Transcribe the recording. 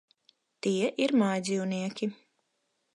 Tie ir mājdzīvnieki.